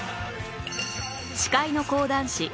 司会の講談師